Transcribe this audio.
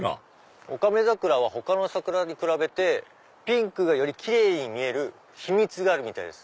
おかめ桜は他の桜に比べてピンクがより奇麗に見える秘密があるみたいです。